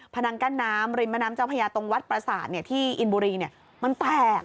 นังกั้นน้ำริมแม่น้ำเจ้าพญาตรงวัดประสาทที่อินบุรีมันแตก